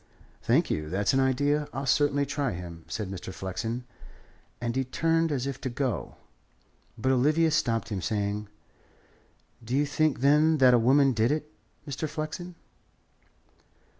"Thank you. That's an idea. I'll certainly try him," said Mr. Flexen, and he turned as if to go. But Olivia stopped him, saying: "Do you think, then, that a woman did it, Mr. Flexen?"